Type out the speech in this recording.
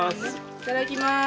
いただきます。